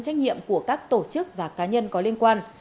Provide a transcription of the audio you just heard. trách nhiệm của các tổ chức và cá nhân có liên quan